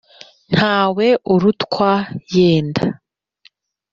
Ntawe urutwa yenda.